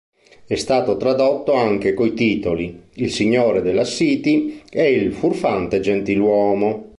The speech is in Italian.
È stato tradotto anche coi titoli Il signore della City e Il furfante gentiluomo.